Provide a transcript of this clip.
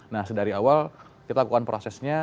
nah dari awal kita lakukan prosesnya